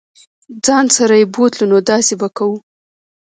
ځان سره یې بوتلو نو داسې به کوو.